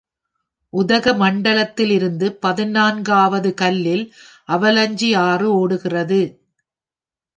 உதகமண்டலத்திலிருந்து பதினான்கு ஆவது கல்லில் அவலஞ்சி ஆறு ஓடுகிறது.